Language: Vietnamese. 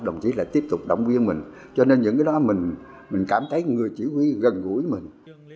đồng chí lại tiếp tục động viên mình cho nên những cái đó mình cảm thấy người chỉ huy gần gũi mình